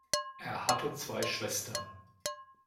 Er hatte zwei Schwestern.